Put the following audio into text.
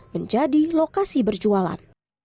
menjadi lokasi berjualan